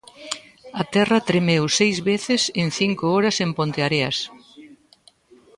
A terra tremeu seis veces en cinco horas en Ponteareas.